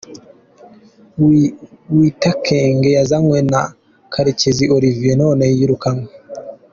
Witakenge yazanywe na Karekezi Olivier none yirukanwe.